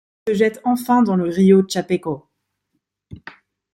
Il se jette enfin dans le rio Chapecó.